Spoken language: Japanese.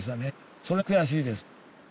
それが悔しいです。